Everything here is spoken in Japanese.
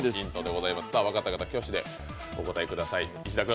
分かった方は挙手でお答えください。